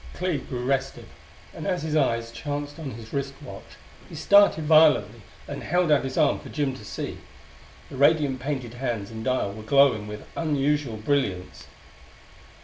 Clee grew restive, and as his eyes chanced on his wrist watch he started violently and held out his arm for Jim to see. The radium painted hands and dial were glowing with unusual brilliance.